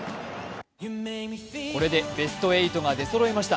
これでベスト８が出そろいました。